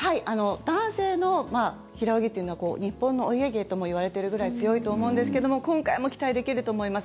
男性の平泳ぎというのは日本のお家芸ともいわれているぐらい強いと思うんですけども今回も期待できると思います。